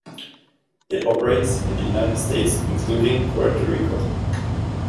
It operates in the United States, including Puerto Rico.